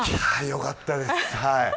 よかったです。